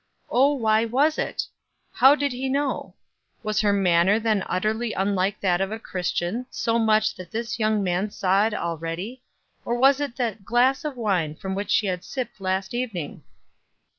Oh why was it? How did he know? Was her manner then utterly unlike that of a Christian, so much so that this young man saw it already, or was it that glass of wine from which she had sipped last evening?